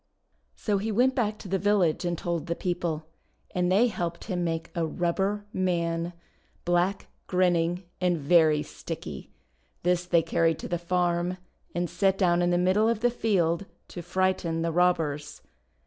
So he went back to the village and told the people, and they helped him make a Rubber Man, black, grinning, and very sticky. This they carried to the farm, and set down in the middle of the field to frighten the robbers.